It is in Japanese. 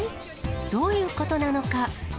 どういうことなのか。